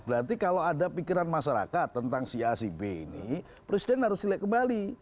berarti kalau ada pikiran masyarakat tentang si a si b ini presiden harus silek kembali